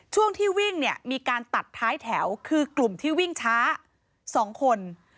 ช่วงที่วิ่งเนี่ยมีการตัดท้ายแถวคือกลุ่มที่วิ่งช้า๒คน